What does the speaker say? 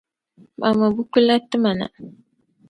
Kpuɣimi buku la nti ma na.